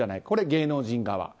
これ芸能人側。